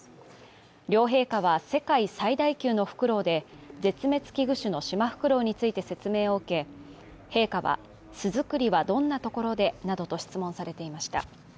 両陛下は世界最大級のフクロウで絶滅危惧種のシマフクロウについて説明を受け、陛下は、巣作りはどんなところで？などと質問されていました。